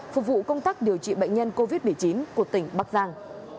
phục vụ công tác điều trị bệnh nhân covid một mươi chín của tỉnh bắc giang